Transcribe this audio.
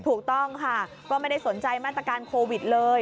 ถูกต้องค่ะก็ไม่ได้สนใจมาตรการโควิดเลย